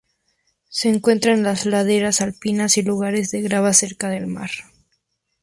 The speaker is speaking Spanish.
Se encuentra en las laderas alpinas y lugares de grava cerca del mar.